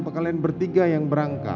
pekalian bertiga yang berangkat